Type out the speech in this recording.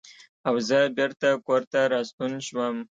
او زۀ بېرته کورته راستون شوم ـ